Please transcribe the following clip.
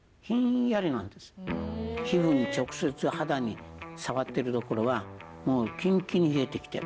皮膚に直接肌に触ってるところはもうキンキンに冷えてきて。